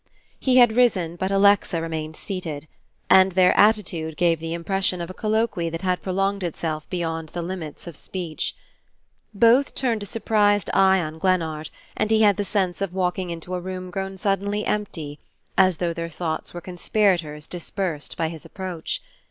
He had risen, but Alexa remained seated; and their attitude gave the impression of a colloquy that had prolonged itself beyond the limits of speech. Both turned a surprised eye on Glennard and he had the sense of walking into a room grown suddenly empty, as though their thoughts were conspirators dispersed by his approach.